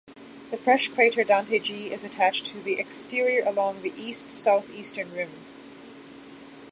The fresh crater Dante G is attached to the exterior along the east-southeastern rim.